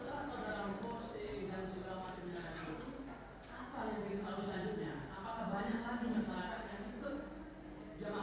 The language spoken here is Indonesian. ramai karena banyak orang yang melakukan kepolisian